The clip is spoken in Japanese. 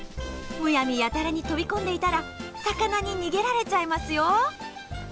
むやみやたらに飛び込んでいたら魚に逃げられちゃいますよ。